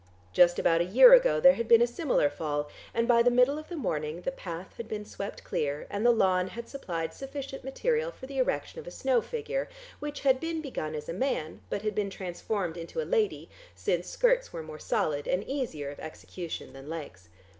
Just about a year ago there had been a similar fall, and by the middle of the morning the path had been swept clear, and the lawn had supplied sufficient material for the erection of a snow figure, which had been begun as a man, but had been transformed into a lady since skirts were more solid and easier of execution than legs.